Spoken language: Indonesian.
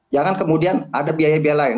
jangan kemudian ada biaya biaya lain